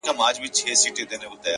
ستادی ستادیستادی فريادي گلي